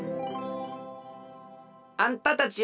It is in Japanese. あんたたちは？